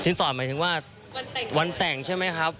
สอดหมายถึงว่าวันแต่งใช่ไหมครับ